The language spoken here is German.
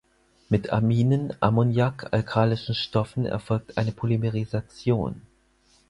Mit Aminen, Ammoniak, alkalischen Stoffen erfolgt eine Polymerisation.